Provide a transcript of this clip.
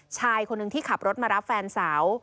ชายคนหนึ่งที่ขับรถมารับแฟนสาว